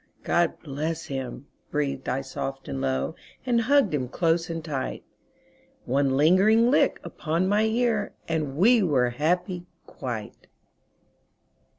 "God bless him," breathed I soft and low, And hugged him close and tight. One lingering lick upon my ear And we were happy quite.